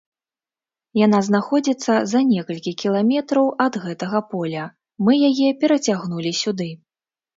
Яна знаходзіцца за некалькі кіламетраў ад гэтага поля, мы яе перацягнулі сюды.